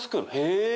へえ！